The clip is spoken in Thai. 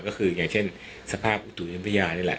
ก็คืออย่างเช่นสภาพอูตุเยี่ยมพิวเยียมนี่แหละ